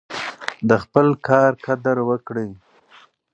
د خپل کار قدر وکړئ.